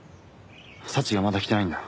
早智がまだ来てないんだ。